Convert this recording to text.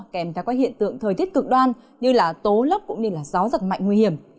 kèm theo các hiện tượng thời tiết cực đoan như tố lốc cũng như gió giật mạnh nguy hiểm